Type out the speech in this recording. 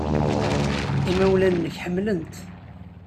Imawlan-nnek ḥemmlen-t.